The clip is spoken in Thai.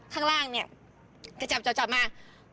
ข้างล่างนี่จะจับมา